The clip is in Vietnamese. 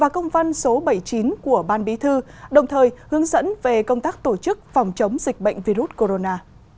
công văn số bảy mươi chín của ban bí thư đồng thời hướng dẫn về công tác tổ chức phòng chống dịch bệnh virus corona